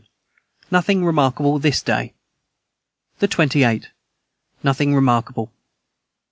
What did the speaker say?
Nothing remarkable this day. the 28. Nothing remarkable.